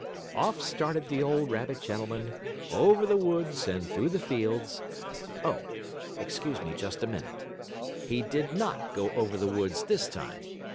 Off started the old rabbit gentleman, over the woods and through the fields oh, excuse me just a minute. He did not go over the woods this time.